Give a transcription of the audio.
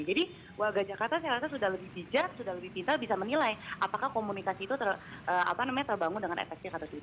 jadi warga jakarta saya rasa sudah lebih bijak sudah lebih pintar bisa menilai apakah komunikasi itu terbangun dengan efek jakarta